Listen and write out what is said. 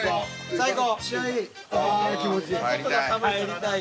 最高。